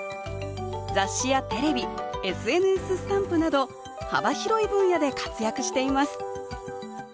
雑誌やテレビＳＮＳスタンプなど幅広い分野で活躍しています